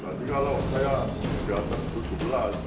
kalau saya tiga tahun satu ratus tujuh belas